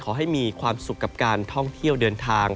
ขอให้มีความสุขกับการท่องเที่ยวเดินทาง